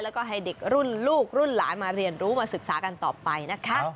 แล้วก็ให้เด็กรุ่นลูกรุ่นหลานมาเรียนรู้มาศึกษากันต่อไปนะคะ